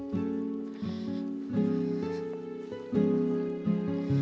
ntar kita ke rumah sakit